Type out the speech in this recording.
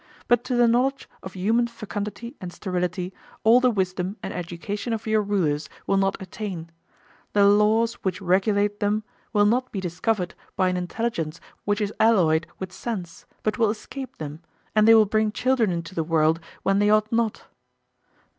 But to the knowledge of human fecundity and sterility all the wisdom and education of your rulers will not attain; the laws which regulate them will not be discovered by an intelligence which is alloyed with sense, but will escape them, and they will bring children into the world when they ought not.